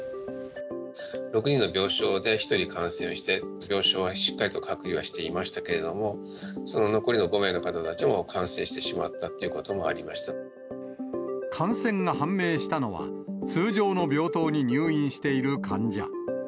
６人の病床で１人感染をして、病床はしっかりと隔離はしていましたけれども、その残りの５名の方たちも感染してしまったっていうこともありま感染が判明したのは、通常の病棟に入院している患者。